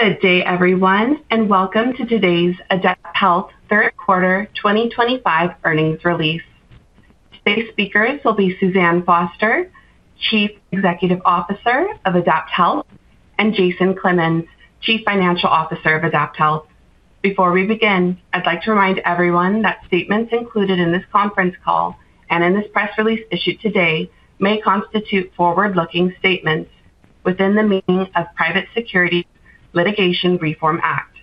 Good day, everyone, and welcome to today's AdaptHealth third quarter 2025 earnings release. Today's speakers will be Suzanne Foster, Chief Executive Officer of AdaptHealth, and Jason Clemens, Chief Financial Officer of AdaptHealth. Before we begin, I'd like to remind everyone that statements included in this conference call and in this press release issued today may constitute forward-looking statements within the meaning of the Private Securities Litigation Reform Act.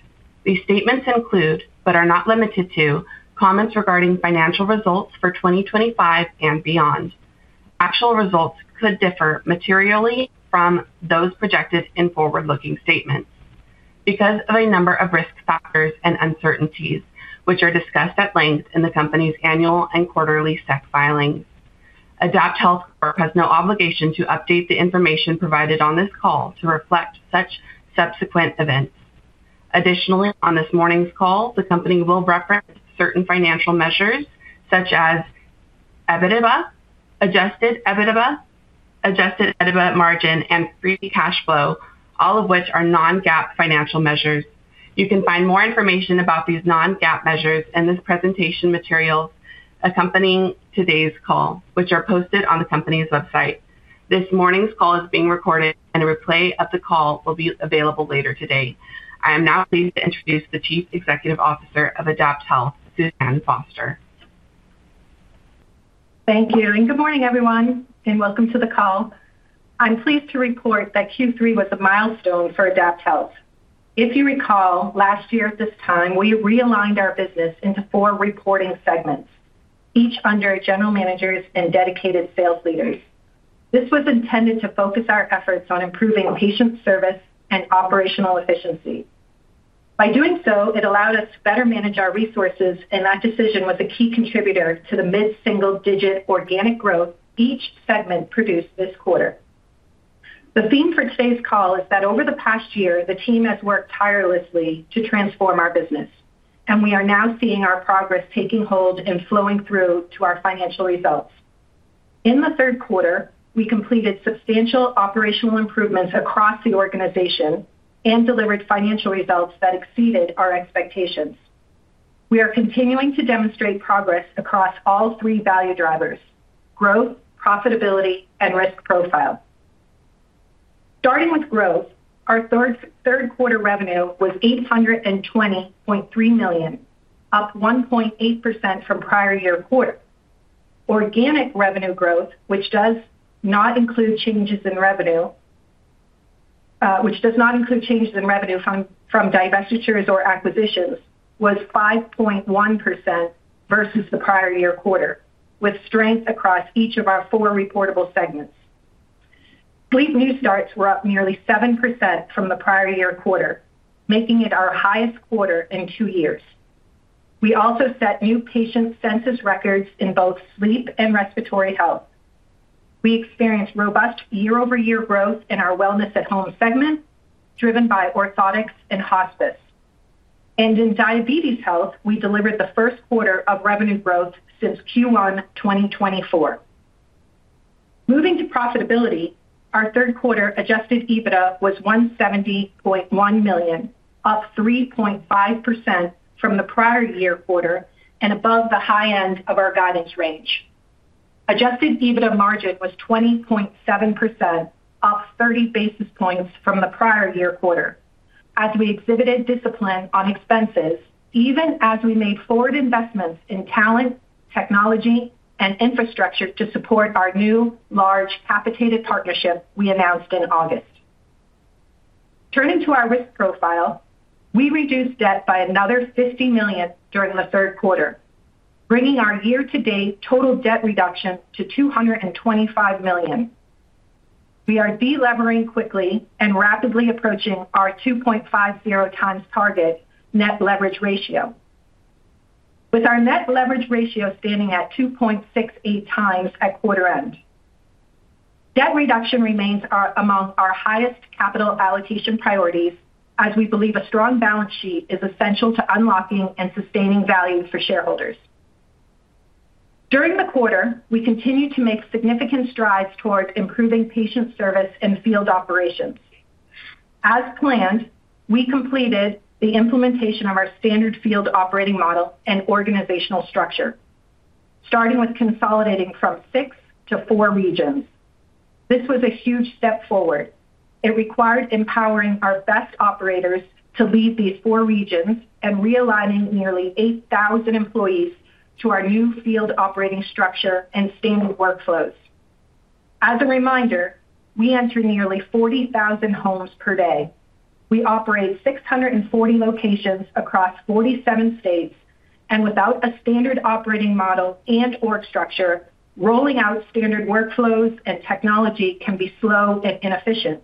These statements include, but are not limited to, comments regarding financial results for 2025 and beyond. Actual results could differ materially from those projected in forward-looking statements because of a number of risk factors and uncertainties, which are discussed at length in the company's annual and quarterly SEC filings. AdaptHealth has no obligation to update the information provided on this call to reflect such subsequent events. Additionally, on this morning's call, the company will reference certain financial measures such as adjusted EBITDA, adjusted EBITDA margin, and free cash flow, all of which are non-GAAP financial measures. You can find more information about these non-GAAP measures in the presentation materials accompanying today's call, which are posted on the company's website. This morning's call is being recorded, and a replay of the call will be available later today. I am now pleased to introduce the Chief Executive Officer of AdaptHealth, Suzanne Foster. Thank you, and good morning, everyone, and welcome to the call. I'm pleased to report that Q3 was a milestone for AdaptHealth. If you recall, last year at this time, we realigned our business into four reporting segments, each under general managers and dedicated sales leaders. This was intended to focus our efforts on improving patient service and operational efficiency. By doing so, it allowed us to better manage our resources, and that decision was a key contributor to the mid-single-digit organic growth each segment produced this quarter. The theme for today's call is that over the past year, the team has worked tirelessly to transform our business, and we are now seeing our progress taking hold and flowing through to our financial results. In the third quarter, we completed substantial operational improvements across the organization and delivered financial results that exceeded our expectations. We are continuing to demonstrate progress across all three value drivers: growth, profitability, and risk profile. Starting with growth, our third quarter revenue was $820.3 million, up 1.8% from prior year quarter. Organic revenue growth, which does not include changes in revenue from divestitures or acquisitions, was 5.1% versus the prior year quarter, with strength across each of our four reportable segments. Sleep new starts were up nearly 7% from the prior year quarter, making it our highest quarter in two years. We also set new patient census records in both sleep and respiratory health. We experienced robust year-over-year growth in our wellness at home segment, driven by orthotics and hospice. In diabetes health, we delivered the first quarter of revenue growth since Q1 2024. Moving to profitability, our third quarter adjusted EBITDA was $170.1 million, up 3.5% from the prior year quarter and above the high end of our guidance range. Adjusted EBITDA margin was 20.7%, up 30 basis points from the prior year quarter, as we exhibited discipline on expenses, even as we made forward investments in talent, technology, and infrastructure to support our new large capitated partnership we announced in August. Turning to our risk profile, we reduced debt by another $50 million during the third quarter, bringing our year-to-date total debt reduction to $225 million. We are deleveraging quickly and rapidly approaching our 2.50 times target net leverage ratio, with our net leverage ratio standing at 2.68 times at quarter end. Debt reduction remains among our highest capital allocation priorities, as we believe a strong balance sheet is essential to unlocking and sustaining value for shareholders. During the quarter, we continued to make significant strides towards improving patient service and field operations. As planned, we completed the implementation of our standard field operating model and organizational structure, starting with consolidating from six to four regions. This was a huge step forward. It required empowering our best operators to lead these four regions and realigning nearly 8,000 employees to our new field operating structure and standard workflows. As a reminder, we enter nearly 40,000 homes per day. We operate 640 locations across 47 states, and without a standard operating model and/or structure, rolling out standard workflows and technology can be slow and inefficient.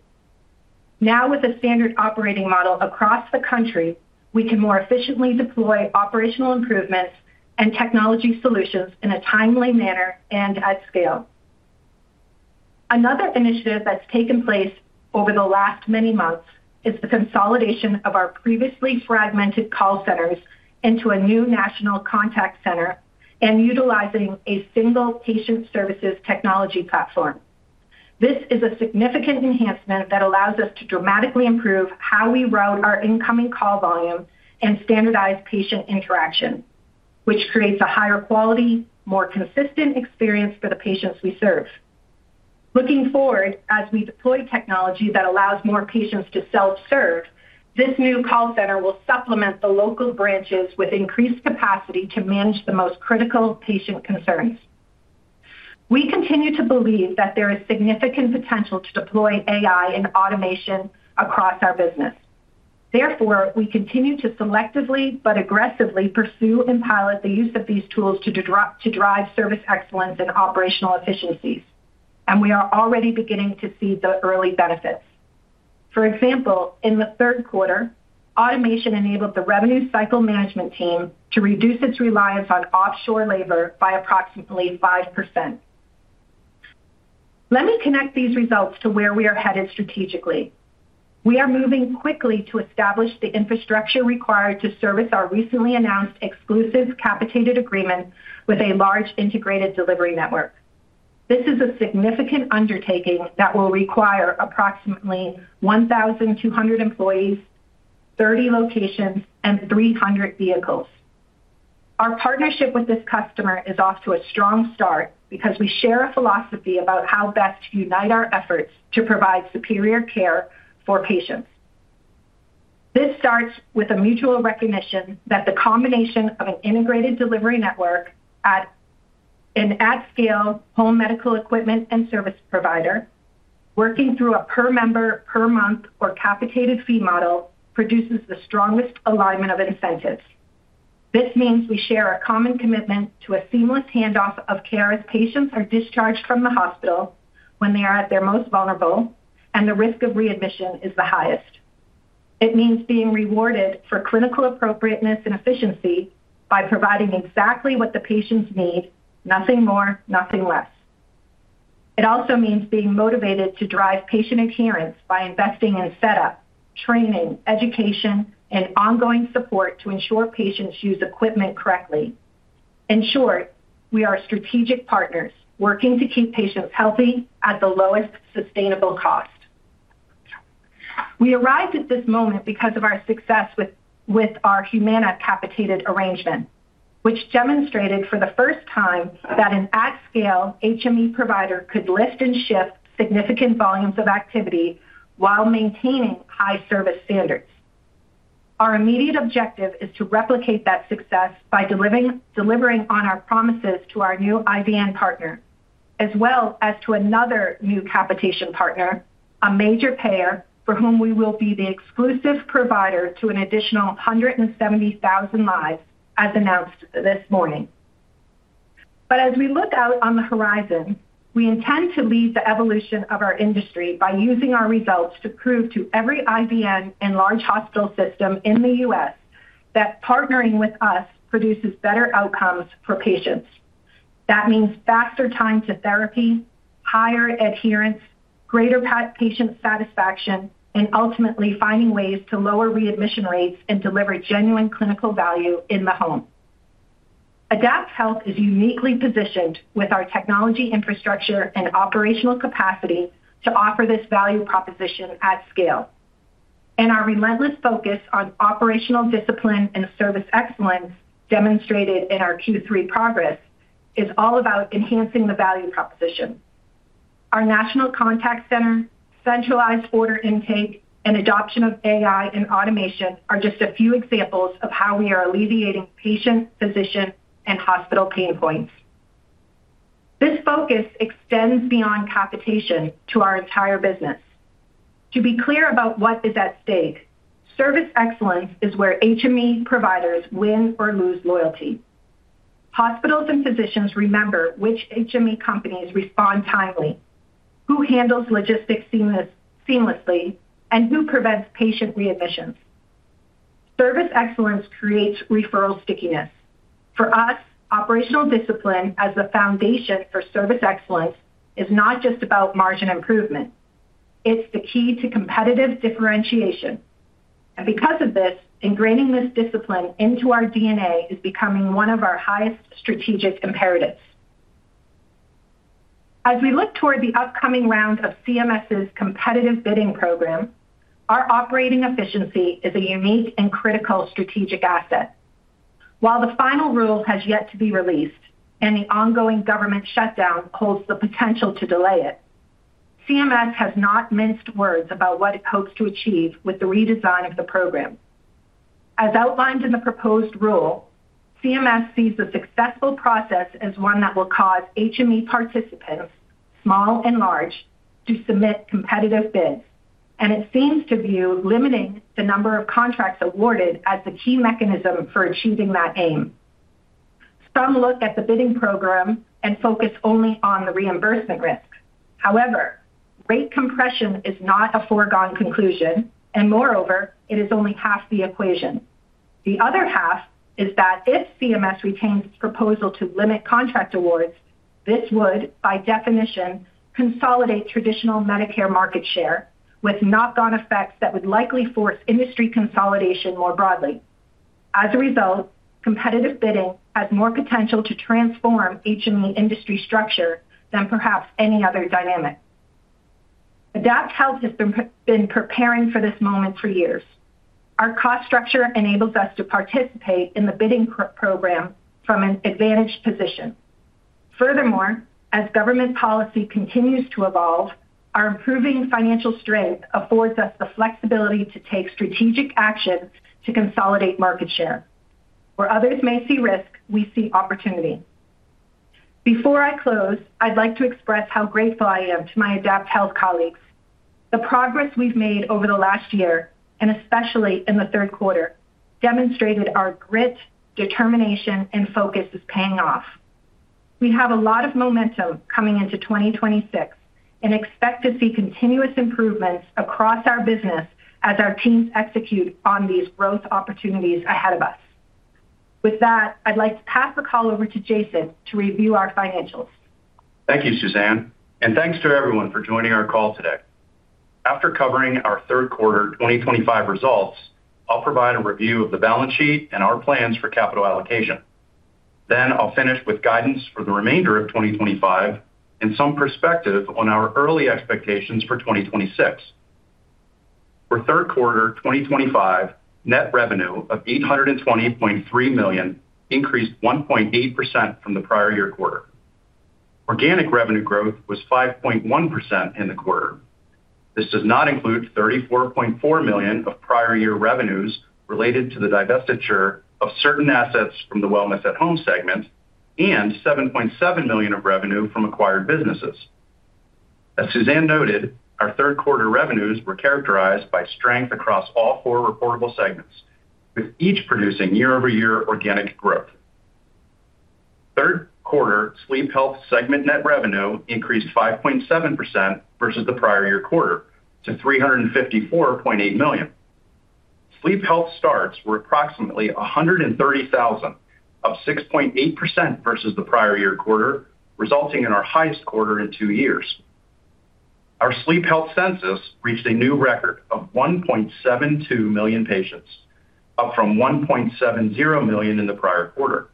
Now, with a standard operating model across the country, we can more efficiently deploy operational improvements and technology solutions in a timely manner and at scale. Another initiative that's taken place over the last many months is the consolidation of our previously fragmented call centers into a new national contact center and utilizing a single patient services technology platform. This is a significant enhancement that allows us to dramatically improve how we route our incoming call volume and standardize patient interaction, which creates a higher quality, more consistent experience for the patients we serve. Looking forward, as we deploy technology that allows more patients to self-serve, this new call center will supplement the local branches with increased capacity to manage the most critical patient concerns. We continue to believe that there is significant potential to deploy AI and automation across our business. Therefore, we continue to selectively but aggressively pursue and pilot the use of these tools to drive service excellence and operational efficiencies, and we are already beginning to see the early benefits. For example, in the third quarter, automation enabled the revenue cycle management team to reduce its reliance on offshore labor by approximately 5%. Let me connect these results to where we are headed strategically. We are moving quickly to establish the infrastructure required to service our recently announced exclusive capitated agreement with a large integrated delivery network. This is a significant undertaking that will require approximately 1,200 employees, 30 locations, and 300 vehicles. Our partnership with this customer is off to a strong start because we share a philosophy about how best to unite our efforts to provide superior care for patients. This starts with a mutual recognition that the combination of an integrated delivery network and at-scale home medical equipment and service provider, working through a per member, per month, or capitated fee model, produces the strongest alignment of incentives. This means we share a common commitment to a seamless handoff of care as patients are discharged from the hospital when they are at their most vulnerable, and the risk of readmission is the highest. It means being rewarded for clinical appropriateness and efficiency by providing exactly what the patients need, nothing more, nothing less. It also means being motivated to drive patient adherence by investing in setup, training, education, and ongoing support to ensure patients use equipment correctly. In short, we are strategic partners working to keep patients healthy at the lowest sustainable cost. We arrived at this moment because of our success with our Humana capitated arrangement, which demonstrated for the first time that an at-scale HME provider could lift and shift significant volumes of activity while maintaining high service standards. Our immediate objective is to replicate that success by delivering on our promises to our new IVN partner, as well as to another new capitation partner, a major payer for whom we will be the exclusive provider to an additional 170,000 lives, as announced this morning. As we look out on the horizon, we intend to lead the evolution of our industry by using our results to prove to every IVN and large hospital system in the U.S. that partnering with us produces better outcomes for patients. That means faster time to therapy, higher adherence, greater patient satisfaction, and ultimately finding ways to lower readmission rates and deliver genuine clinical value in the home. AdaptHealth is uniquely positioned with our technology infrastructure and operational capacity to offer this value proposition at scale. Our relentless focus on operational discipline and service excellence, demonstrated in our Q3 progress, is all about enhancing the value proposition. Our national contact center, centralized order intake, and adoption of AI and automation are just a few examples of how we are alleviating patient, physician, and hospital pain points. This focus extends beyond capitation to our entire business. To be clear about what is at stake, service excellence is where HME providers win or lose loyalty. Hospitals and physicians remember which HME companies respond timely, who handles logistics seamlessly, and who prevents patient readmissions. Service excellence creates referral stickiness. For us, operational discipline as the foundation for service excellence is not just about margin improvement. It's the key to competitive differentiation. Because of this, ingraining this discipline into our DNA is becoming one of our highest strategic imperatives. As we look toward the upcoming round of CMS's competitive bidding program, our operating efficiency is a unique and critical strategic asset. While the final rule has yet to be released and the ongoing government shutdown holds the potential to delay it, CMS has not minced words about what it hopes to achieve with the redesign of the program. As outlined in the proposed rule, CMS sees the successful process as one that will cause HME participants, small and large, to submit competitive bids, and it seems to view limiting the number of contracts awarded as the key mechanism for achieving that aim. Some look at the bidding program and focus only on the reimbursement risk. However, rate compression is not a foregone conclusion, and moreover, it is only half the equation. The other half is that if CMS retains its proposal to limit contract awards, this would, by definition, consolidate traditional Medicare market share with knock-on effects that would likely force industry consolidation more broadly. As a result, competitive bidding has more potential to transform HME industry structure than perhaps any other dynamic. AdaptHealth has been preparing for this moment for years. Our cost structure enables us to participate in the bidding program from an advantaged position. Furthermore, as government policy continues to evolve, our improving financial strength affords us the flexibility to take strategic action to consolidate market share. Where others may see risk, we see opportunity. Before I close, I'd like to express how grateful I am to my AdaptHealth colleagues. The progress we've made over the last year, and especially in the third quarter, demonstrated our grit, determination, and focus is paying off. We have a lot of momentum coming into 2026 and expect to see continuous improvements across our business as our teams execute on these growth opportunities ahead of us. With that, I'd like to pass the call over to Jason to review our financials. Thank you, Suzanne. And thanks to everyone for joining our call today. After covering our third quarter 2025 results, I'll provide a review of the balance sheet and our plans for capital allocation. Then I'll finish with guidance for the remainder of 2025 and some perspective on our early expectations for 2026. For third quarter 2025, net revenue of $820.3 million increased 1.8% from the prior year quarter. Organic revenue growth was 5.1% in the quarter. This does not include $34.4 million of prior year revenues related to the divestiture of certain assets from the wellness at home segment and $7.7 million of revenue from acquired businesses. As Suzanne noted, our third quarter revenues were characterized by strength across all four reportable segments, with each producing year-over-year organic growth. Third quarter sleep health segment net revenue increased 5.7% versus the prior year quarter to $354.8 million. Sleep health starts were approximately 130,000, up 6.8% versus the prior year quarter, resulting in our highest quarter in two years. Our sleep health census reached a new record of 1.72 million patients, up from 1.70 million in the prior quarter.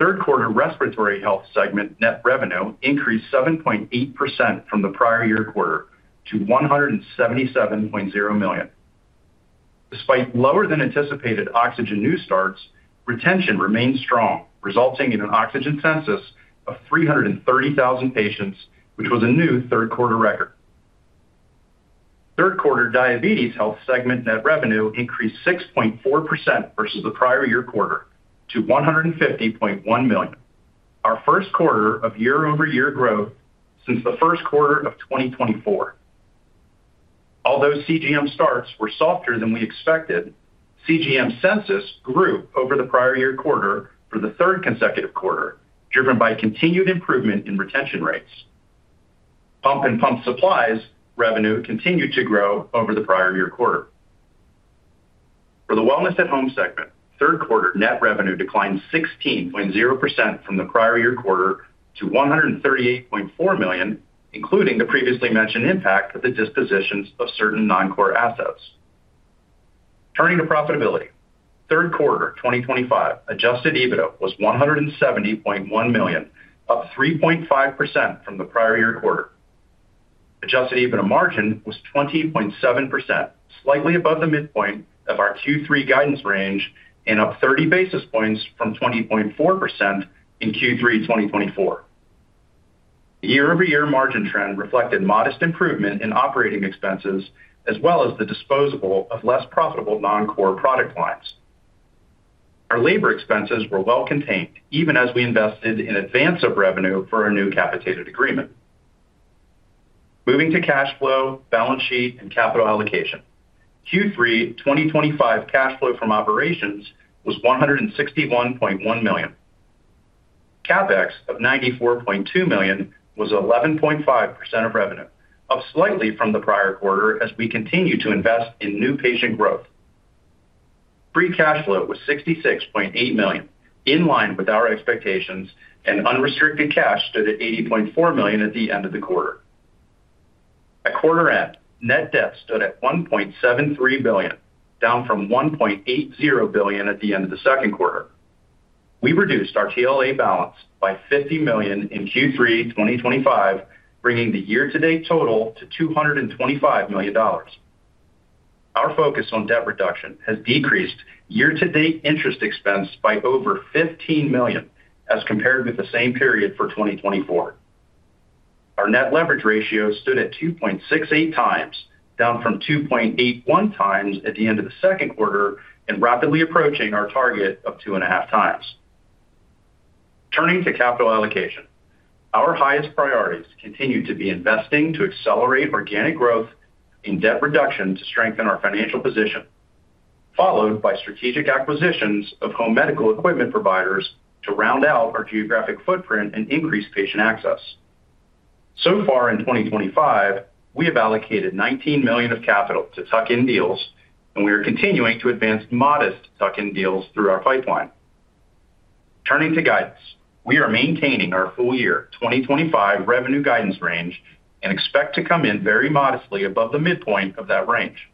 Third quarter respiratory health segment net revenue increased 7.8% from the prior year quarter to $177.0 million. Despite lower-than-anticipated oxygen new starts, retention remained strong, resulting in an oxygen census of 330,000 patients, which was a new third quarter record. Third quarter diabetes health segment net revenue increased 6.4% versus the prior year quarter to $150.1 million. Our first quarter of year-over-year growth since the first quarter of 2024. Although CGM starts were softer than we expected, CGM census grew over the prior year quarter for the third consecutive quarter, driven by continued improvement in retention rates. Pump and pump supplies revenue continued to grow over the prior year quarter. For the wellness at home segment, third quarter net revenue declined 16.0% from the prior year quarter to $138.4 million, including the previously mentioned impact of the dispositions of certain non-core assets. Turning to profitability, third quarter 2025 adjusted EBITDA was $170.1 million, up 3.5% from the prior year quarter. Adjusted EBITDA margin was 20.7%, slightly above the midpoint of our Q3 guidance range and up 30 basis points from 20.4% in Q3 2024. The year-over-year margin trend reflected modest improvement in operating expenses, as well as the disposal of less profitable non-core product lines. Our labor expenses were well contained, even as we invested in advance of revenue for a new capitated agreement. Moving to cash flow, balance sheet, and capital allocation. Q3 2025 cash flow from operations was $161.1 million. CapEx of $94.2 million was 11.5% of revenue, up slightly from the prior quarter as we continue to invest in new patient growth. Free cash flow was $66.8 million, in line with our expectations, and unrestricted cash stood at $80.4 million at the end of the quarter. At quarter end, net debt stood at $1.73 billion, down from $1.80 billion at the end of the second quarter. We reduced our TLA balance by $50 million in Q3 2025, bringing the year-to-date total to $225 million. Our focus on debt reduction has decreased year-to-date interest expense by over $15 million as compared with the same period for 2024. Our net leverage ratio stood at 2.68 times, down from 2.81 times at the end of the second quarter and rapidly approaching our target of two and a half times. Turning to capital allocation, our highest priorities continue to be investing to accelerate organic growth and debt reduction to strengthen our financial position. Followed by strategic acquisitions of home medical equipment providers to round out our geographic footprint and increase patient access. So far in 2025, we have allocated $19 million of capital to tuck-in deals, and we are continuing to advance modest tuck-in deals through our pipeline. Turning to guidance, we are maintaining our full year 2025 revenue guidance range and expect to come in very modestly above the midpoint of that range.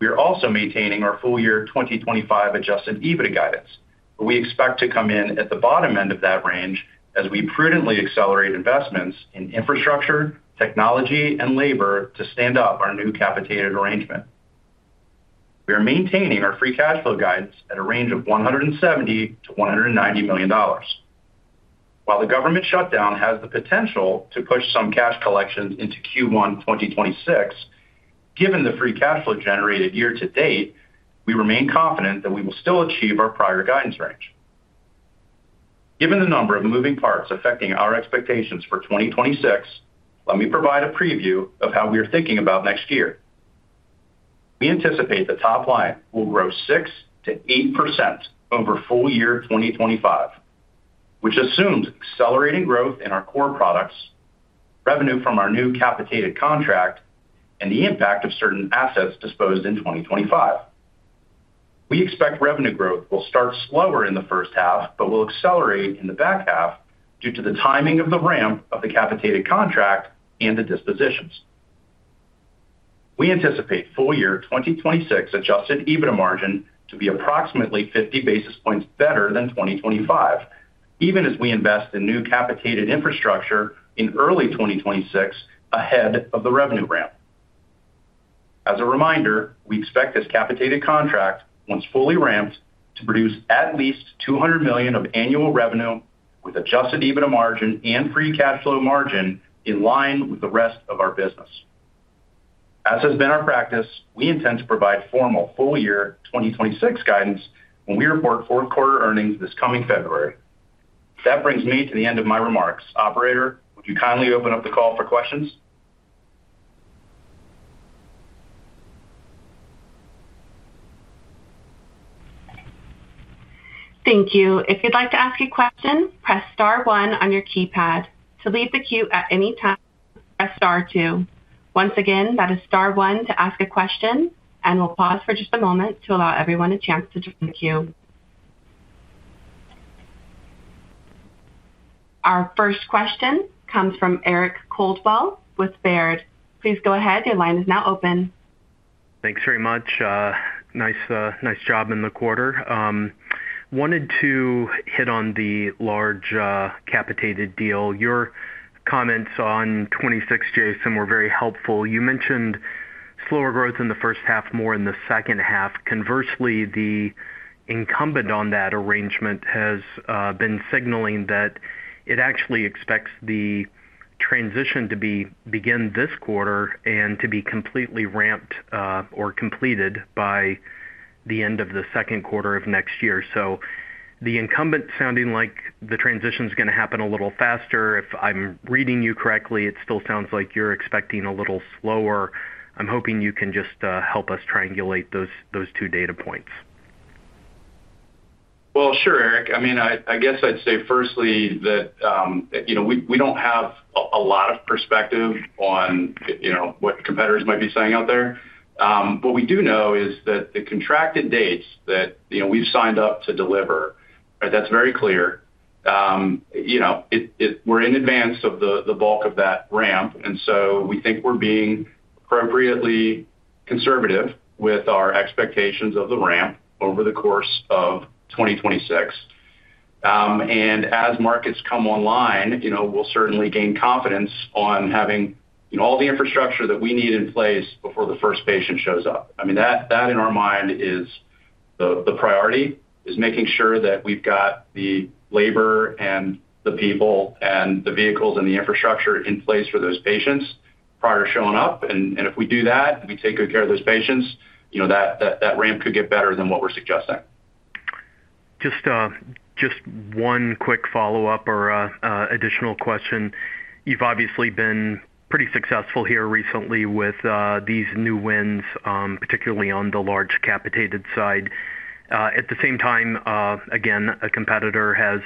We are also maintaining our full year 2025 adjusted EBITDA guidance, but we expect to come in at the bottom end of that range as we prudently accelerate investments in infrastructure, technology, and labor to stand up our new capitated arrangement. We are maintaining our free cash flow guidance at a range of $170-$190 million. While the government shutdown has the potential to push some cash collections into Q1 2026. Given the free cash flow generated year-to-date, we remain confident that we will still achieve our prior guidance range. Given the number of moving parts affecting our expectations for 2026, let me provide a preview of how we are thinking about next year. We anticipate the top line will grow 6-8% over full year 2025. Which assumes accelerating growth in our core products, revenue from our new capitated contract, and the impact of certain assets disposed in 2025. We expect revenue growth will start slower in the first half but will accelerate in the back half due to the timing of the ramp of the capitated contract and the dispositions. We anticipate full year 2026 adjusted EBITDA margin to be approximately 50 basis points better than 2025, even as we invest in new capitated infrastructure in early 2026 ahead of the revenue ramp. As a reminder, we expect this capitated contract, once fully ramped, to produce at least $200 million of annual revenue with adjusted EBITDA margin and free cash flow margin in line with the rest of our business. As has been our practice, we intend to provide formal full year 2026 guidance when we report fourth quarter earnings this coming February. That brings me to the end of my remarks. Operator, would you kindly open up the call for questions? Thank you. If you'd like to ask a question, press star one on your keypad. To leave the queue at any time, press star two. Once again, that is star one to ask a question, and we'll pause for just a moment to allow everyone a chance to join the queue. Our first question comes from Eric Coldwell with Baird. Please go ahead. Your line is now open. Thanks very much. Nice, nice job in the quarter. Wanted to hit on the large capitated deal. Your comments on 2026, Jason, were very helpful. You mentioned slower growth in the first half, more in the second half. Conversely, the incumbent on that arrangement has been signaling that it actually expects the transition to begin this quarter and to be completely ramped or completed by the end of the second quarter of next year. The incumbent sounding like the transition is going to happen a little faster. If I'm reading you correctly, it still sounds like you're expecting a little slower. I'm hoping you can just help us triangulate those two data points. Sure, Eric. I mean, I guess I'd say firstly that we don't have a lot of perspective on what competitors might be saying out there. What we do know is that the contracted dates that we've signed up to deliver, that's very clear. We're in advance of the bulk of that ramp, and we think we're being appropriately conservative with our expectations of the ramp over the course of 2026. As markets come online, we'll certainly gain confidence on having all the infrastructure that we need in place before the first patient shows up. I mean, that in our mind is the priority, is making sure that we've got the labor and the people and the vehicles and the infrastructure in place for those patients prior to showing up. If we do that, we take good care of those patients, that ramp could get better than what we're suggesting. Just one quick follow-up or additional question. You have obviously been pretty successful here recently with these new wins, particularly on the large capitated side. At the same time, again, a competitor has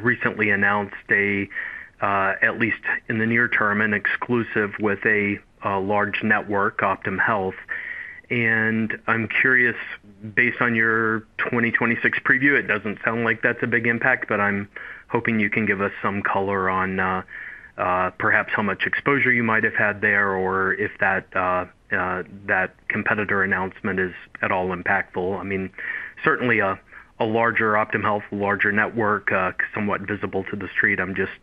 recently announced, at least in the near term, an exclusive with a large network, Optum Health. I am curious, based on your 2026 preview, it does not sound like that is a big impact, but I am hoping you can give us some color on perhaps how much exposure you might have had there or if that competitor announcement is at all impactful. I mean, certainly a larger Optum Health, larger network, somewhat visible to the street. I am just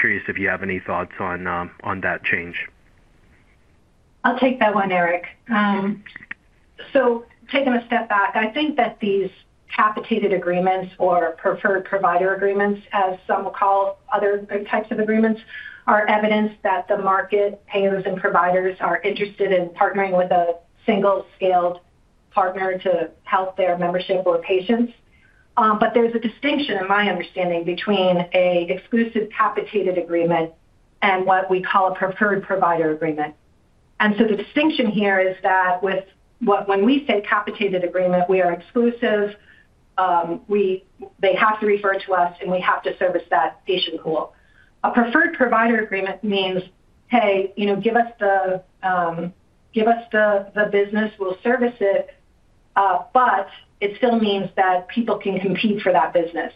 curious if you have any thoughts on that change. I'll take that one, Eric. Taking a step back, I think that these capitated agreements or preferred provider agreements, as some will call other types of agreements, are evidence that the market, payers, and providers are interested in partnering with a single scaled partner to help their membership or patients. There is a distinction, in my understanding, between an exclusive capitated agreement and what we call a preferred provider agreement. The distinction here is that when we say capitated agreement, we are exclusive. They have to refer to us, and we have to service that patient pool. A preferred provider agreement means, "Hey, give us the business, we'll service it." It still means that people can compete for that business.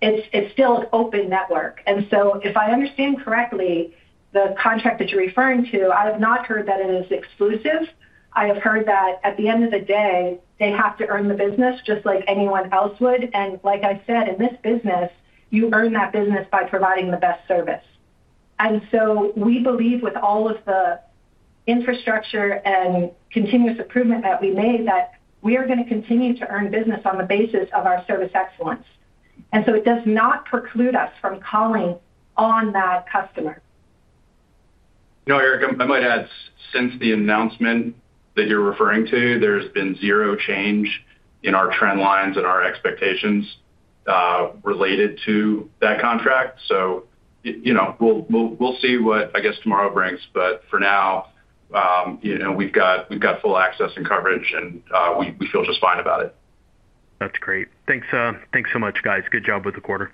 It's still an open network. If I understand correctly, the contract that you're referring to, I have not heard that it is exclusive. I have heard that at the end of the day, they have to earn the business just like anyone else would. Like I said, in this business, you earn that business by providing the best service. We believe, with all of the infrastructure and continuous improvement that we made, that we are going to continue to earn business on the basis of our service excellence. It does not preclude us from calling on that customer. No, Eric, I might add, since the announcement that you're referring to, there's been zero change in our trend lines and our expectations related to that contract. We'll see what, I guess, tomorrow brings. For now, we've got full access and coverage, and we feel just fine about it. That's great. Thanks so much, guys. Good job with the quarter.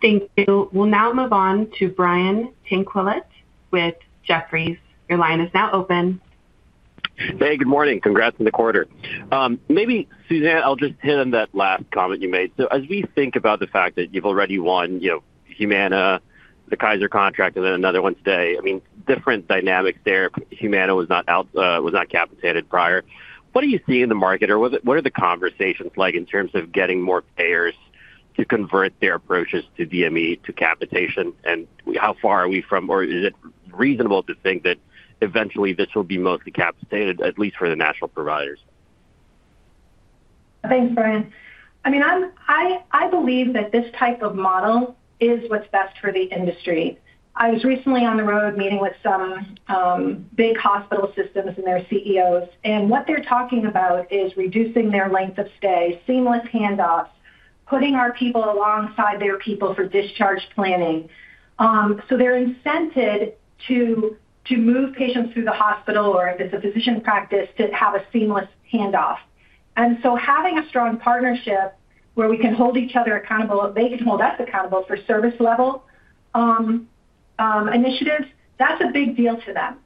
Thank you. We'll now move on to Brian Tanquilut with Jefferies. Your line is now open. Hey, good morning. Congrats on the quarter. Maybe, Suzanne, I'll just hit on that last comment you made. As we think about the fact that you've already won Humana, the Kaiser contract, and then another one today, I mean, different dynamics there. Humana was not capitated prior. What are you seeing in the market, or what are the conversations like in terms of getting more payers to convert their approaches to DME to capitation? How far are we from, or is it reasonable to think that eventually this will be mostly capitated, at least for the national providers? Thanks, Brian. I mean, I believe that this type of model is what's best for the industry. I was recently on the road meeting with some big hospital systems and their CEOs, and what they're talking about is reducing their length of stay, seamless handoffs, putting our people alongside their people for discharge planning. They are incented to move patients through the hospital or, if it's a physician practice, to have a seamless handoff. Having a strong partnership where we can hold each other accountable, they can hold us accountable for service level initiatives, that's a big deal to them.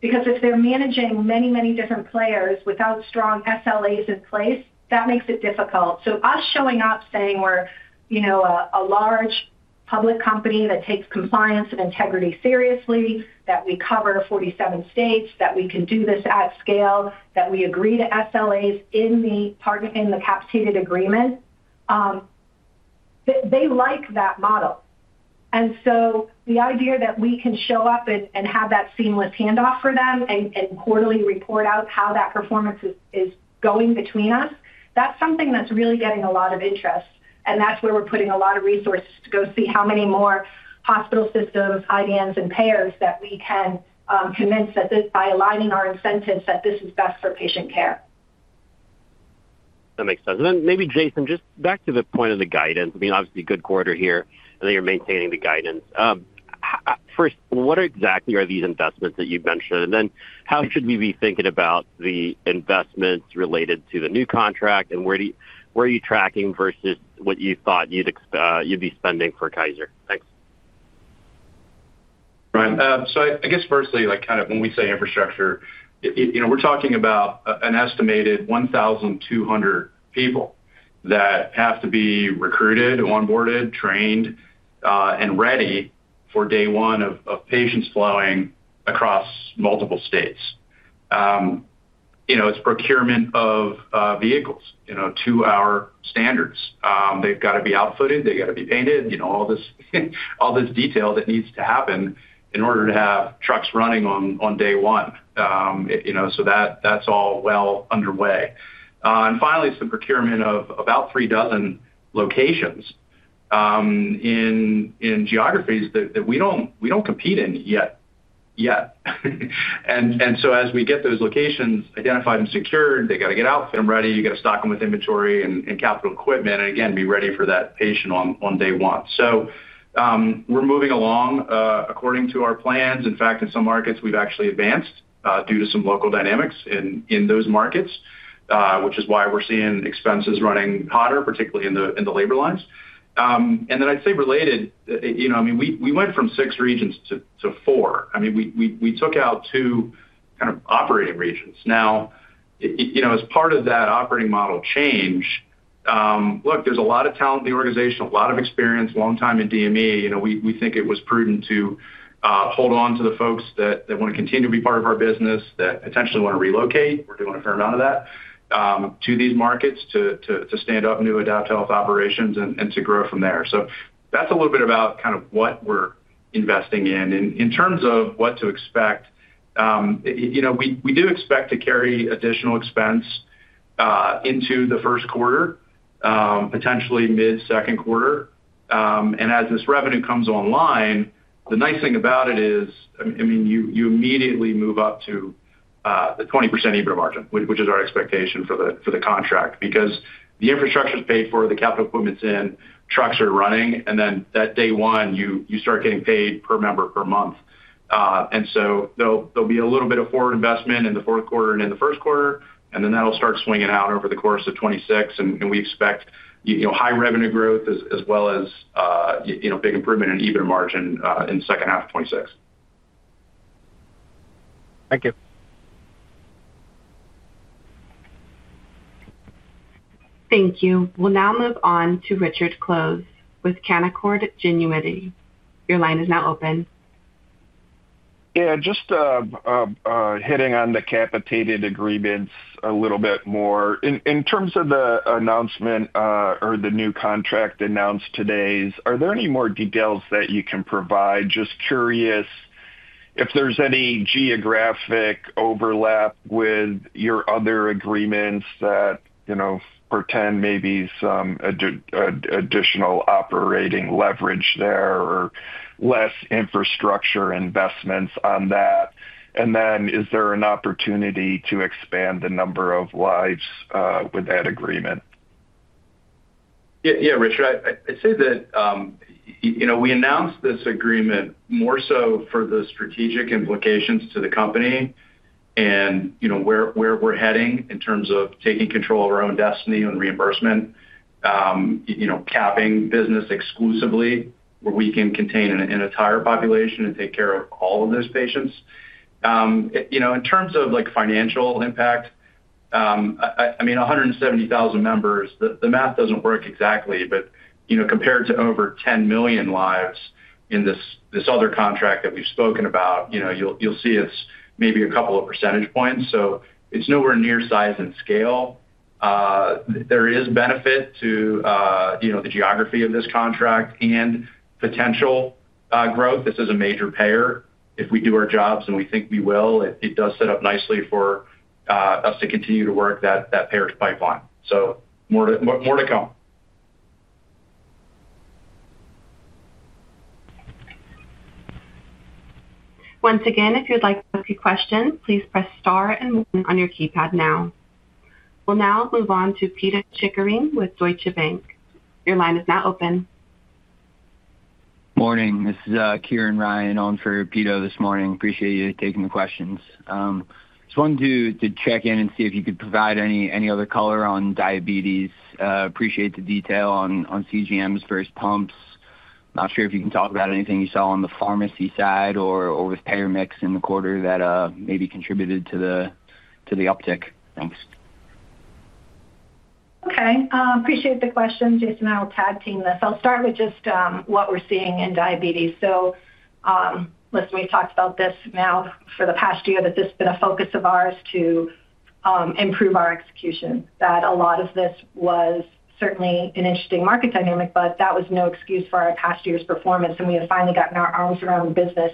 Because if they're managing many, many different players without strong SLAs in place, that makes it difficult. Us showing up, saying we're a large public company that takes compliance and integrity seriously, that we cover 47 states, that we can do this at scale, that we agree to SLAs in the capitated agreement, they like that model. The idea that we can show up and have that seamless handoff for them and quarterly report out how that performance is going between us, that's something that's really getting a lot of interest. That's where we're putting a lot of resources to go see how many more hospital systems, IDNs, and payers that we can convince by aligning our incentives that this is best for patient care. That makes sense. Maybe, Jason, just back to the point of the guidance. I mean, obviously, good quarter here. I think you're maintaining the guidance. First, what exactly are these investments that you've mentioned? How should we be thinking about the investments related to the new contract? Where are you tracking versus what you thought you'd be spending for Kaiser? Thanks. Right. I guess firstly, kind of when we say infrastructure, we're talking about an estimated 1,200 people that have to be recruited, onboarded, trained, and ready for day one of patients flowing across multiple states. It's procurement of vehicles to our standards. They've got to be outfitted. They've got to be painted, all this. Detail that needs to happen in order to have trucks running on day one. That's all well underway. Finally, it's the procurement of about three dozen locations in geographies that we don't compete in yet. As we get those locations identified and secured, they've got to get outfitted and ready. You've got to stock them with inventory and capital equipment and, again, be ready for that patient on day one. We're moving along according to our plans. In fact, in some markets, we've actually advanced due to some local dynamics in those markets, which is why we're seeing expenses running hotter, particularly in the labor lines. I'd say related, I mean, we went from six regions to four. We took out two kind of operating regions as part of that operating model change. Look, there's a lot of talent in the organization, a lot of experience, long time in DME. We think it was prudent to hold on to the folks that want to continue to be part of our business, that potentially want to relocate. We're doing a fair amount of that to these markets to stand up new AdaptHealth operations and to grow from there. That's a little bit about kind of what we're investing in. In terms of what to expect, we do expect to carry additional expense into the first quarter, potentially mid-second quarter. As this revenue comes online, the nice thing about it is, I mean, you immediately move up to the 20% EBITDA margin, which is our expectation for the contract, because the infrastructure is paid for, the capital equipment's in, trucks are running, and that day one, you start getting paid per member per month. There'll be a little bit of forward investment in the fourth quarter and in the first quarter, and then that'll start swinging out over the course of 2026. We expect high revenue growth as well as big improvement in EBITDA margin in the second half of 2026. Thank you. Thank you. We'll now move on to Richard Close with Canaccord Genuity. Your line is now open. Yeah. Just hitting on the capitated agreements a little bit more. In terms of the announcement or the new contract announced today, are there any more details that you can provide? Just curious if there's any geographic overlap with your other agreements that pretend maybe some additional operating leverage there or less infrastructure investments on that. Then is there an opportunity to expand the number of lives with that agreement? Yeah, Richard, I'd say that. We announced this agreement more so for the strategic implications to the company. And where we're heading in terms of taking control of our own destiny and reimbursement. Capping business exclusively where we can contain an entire population and take care of all of those patients. In terms of financial impact. I mean, 170,000 members, the math doesn't work exactly, but compared to over 10 million lives in this other contract that we've spoken about, you'll see it's maybe a couple of percentage points. So it's nowhere near size and scale. There is benefit to. The geography of this contract and potential growth. This is a major payer. If we do our jobs and we think we will, it does set up nicely for us to continue to work that payer's pipeline. So more to come. Once again, if you'd like to ask a question, please press star and one on your keypad now. We'll now move on to Peter Chickering with Deutsche Bank. Your line is now open. Morning. This is Kieran Ryan on for Peter this morning. Appreciate you taking the questions. Just wanted to check in and see if you could provide any other color on diabetes. Appreciate the detail on CGM's versus pumps. Not sure if you can talk about anything you saw on the pharmacy side or with payer mix in the quarter that maybe contributed to the uptake. Thanks. Okay. Appreciate the questions. Jason, I'll tag team this. I'll start with just what we're seeing in diabetes. We've talked about this now for the past year that this has been a focus of ours to improve our execution, that a lot of this was certainly an interesting market dynamic, but that was no excuse for our past year's performance. We have finally gotten our arms around the business,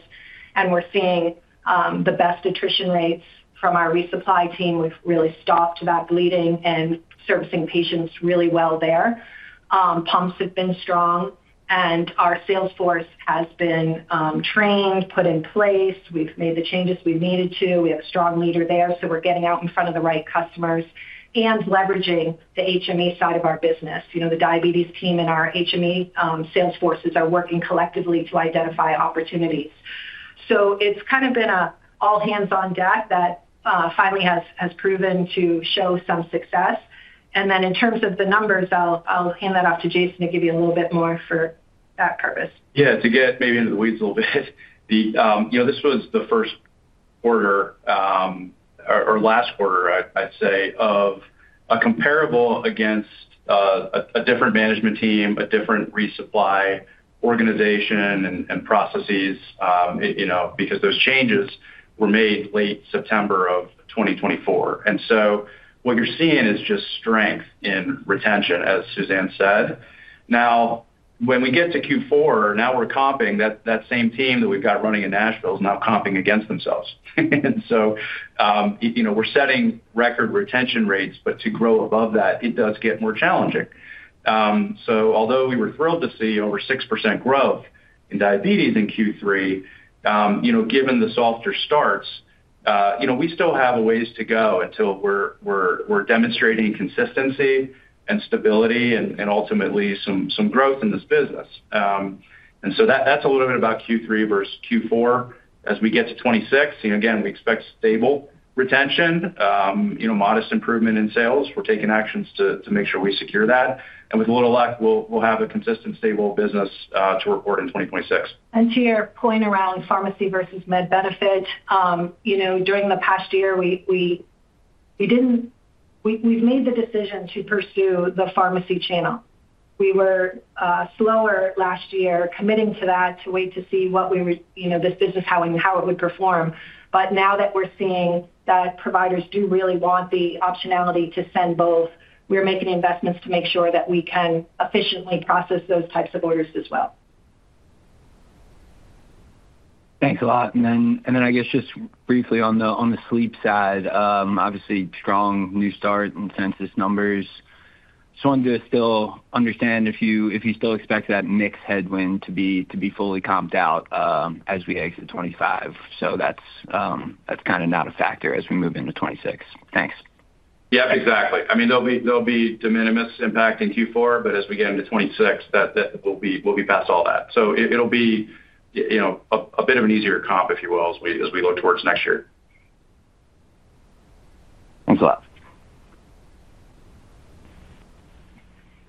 and we're seeing the best attrition rates from our resupply team. We've really stopped that bleeding and servicing patients really well there. Pumps have been strong, and our sales force has been trained, put in place. We've made the changes we've needed to. We have a strong leader there. We're getting out in front of the right customers and leveraging the HME side of our business. The diabetes team and our HME sales forces are working collectively to identify opportunities. It's kind of been an all-hands-on-deck that finally has proven to show some success. In terms of the numbers, I'll hand that off to Jason to give you a little bit more for that purpose. Yeah. To get maybe into the weeds a little bit, this was the first quarter, or last quarter, I'd say, of a comparable against a different management team, a different resupply organization and processes. Because those changes were made late September of 2024. And so what you're seeing is just strength in retention, as Suzanne said. Now, when we get to Q4, now we're comping. That same team that we've got running in Nashville is now comping against themselves. We're setting record retention rates, but to grow above that, it does get more challenging. Although we were thrilled to see over 6% growth in diabetes in Q3, given the softer starts, we still have a ways to go until we're demonstrating consistency and stability and ultimately some growth in this business. That's a little bit about Q3 versus Q4. As we get to 2026, again, we expect stable retention, modest improvement in sales. We're taking actions to make sure we secure that. With a little luck, we'll have a consistent, stable business to report in 2026. To your point around pharmacy versus med benefit, during the past year, we did not. We made the decision to pursue the pharmacy channel. We were slower last year committing to that to wait to see what this business, how it would perform. Now that we are seeing that providers do really want the optionality to send both, we are making investments to make sure that we can efficiently process those types of orders as well. Thanks a lot. I guess just briefly on the sleep side, obviously strong new start and census numbers. Just wanted to still understand if you still expect that mixed headwind to be fully comped out as we exit 2025. That is kind of not a factor as we move into 2026. Thanks. Yeah, exactly. I mean, there'll be de minimis impact in Q4, but as we get into 2026, we'll be past all that. It will be a bit of an easier comp, if you will, as we look towards next year. Thanks a lot.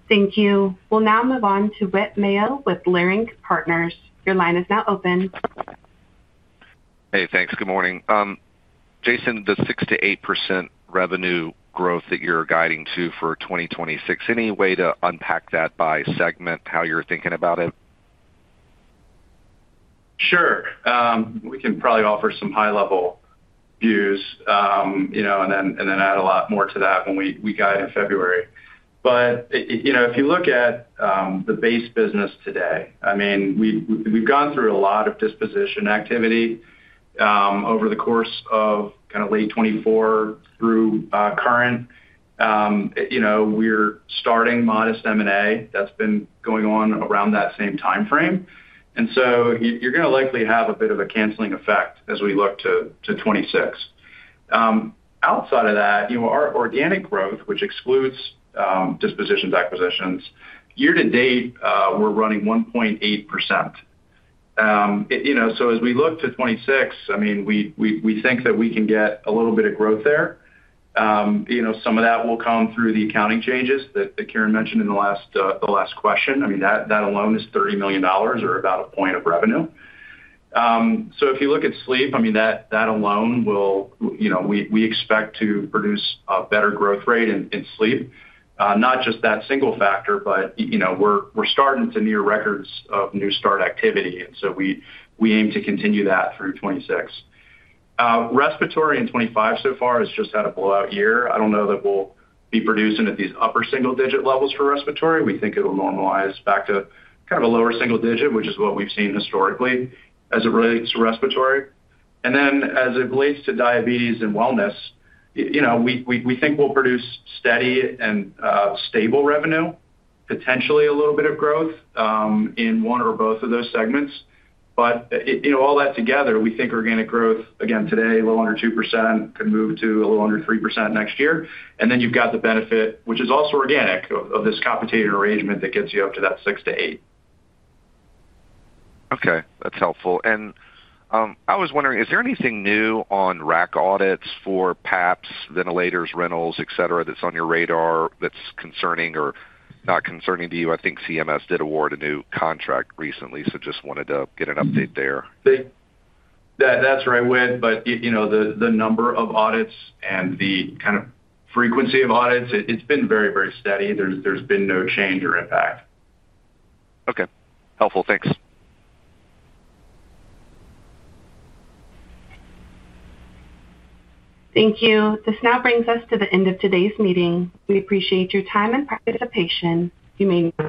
Thank you. We'll now move on to Whit Mayo with Leerink Partners. Your line is now open. Hey, thanks. Good morning. Jason, the 6% to 8% revenue growth that you're guiding to for 2026, any way to unpack that by segment, how you're thinking about it? Sure. We can probably offer some high-level views. And then add a lot more to that when we guide in February. But if you look at the base business today, I mean, we've gone through a lot of disposition activity. Over the course of kind of late 2024 through current. We're starting modest M&A that's been going on around that same time frame. And so you're going to likely have a bit of a canceling effect as we look to 2026. Outside of that, our organic growth, which excludes dispositions, acquisitions, year to date, we're running 1.8%. So as we look to 2026, I mean, we think that we can get a little bit of growth there. Some of that will come through the accounting changes that Kieran mentioned in the last question. I mean, that alone is $30 million or about a point of revenue. So if you look at sleep, I mean, that alone. We expect to produce a better growth rate in sleep. Not just that single factor, but we're starting to near records of new start activity. And so we aim to continue that through 2026. Respiratory in 2025 so far has just had a blowout year. I don't know that we'll be producing at these upper single-digit levels for respiratory. We think it'll normalize back to kind of a lower single digit, which is what we've seen historically as it relates to respiratory. And then as it relates to diabetes and wellness. We think we'll produce steady and stable revenue, potentially a little bit of growth. In one or both of those segments. But all that together, we think organic growth, again, today, a little under 2%, could move to a little under 3% next year. And then you've got the benefit, which is also organic, of this capitated arrangement that gets you up to that 6% to 8%. Okay. That's helpful. I was wondering, is there anything new on RAC audits for PAPs, ventilators, rentals, etc., that's on your radar that's concerning or not concerning to you? I think CMS did award a new contract recently, so just wanted to get an update there. That's right Whit, but the number of audits and the kind of frequency of audits, it's been very, very steady. There's been no change or impact. Okay. Helpful. Thanks. Thank you. This now brings us to the end of today's meeting. We appreciate your time and participation. You may [disconnect].